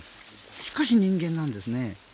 しかし、人間なんですね。